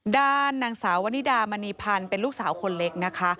ด้านนางสาววนิดามณีพันธ์เป็นลูกสาวคนเล็กนะคะ